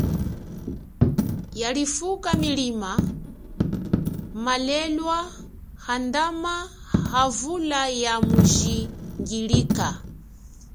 Yalifuka milima, malelwa andama avula ya mujingilika.